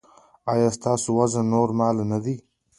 ایا ستاسو وزن نورمال نه دی؟